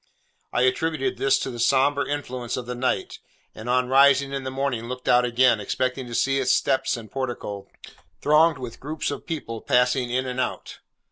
I attributed this to the sombre influence of the night, and on rising in the morning looked out again, expecting to see its steps and portico thronged with groups of people passing in and out.